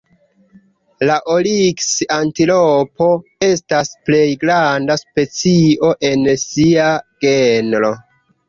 La oriks-antilopo estas plej granda specio en sia genro.